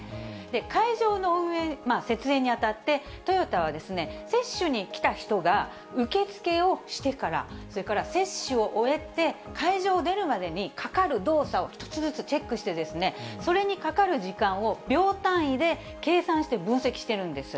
会場の設営にあたって、トヨタは、接種に来た人が受け付けをしてから、それから接種を終えて、会場を出るまでにかかる動作を、１つずつチェックして、それにかかる時間を秒単位で計算して分析してるんです。